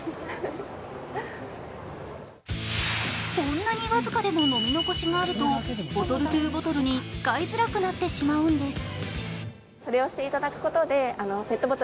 こんなに僅かでも飲み残しがあるとボトルｔｏボトルに使いづらくなってしまうんです。